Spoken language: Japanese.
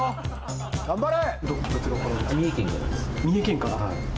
頑張れ！